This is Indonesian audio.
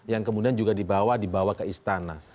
yang kemudian juga dibawa dibawa ke istana